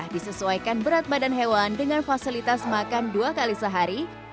disesuaikan berat badan hewan dengan fasilitas makan dua kali sehari